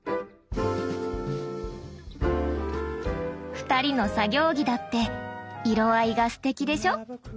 ２人の作業着だって色合いがすてきでしょ。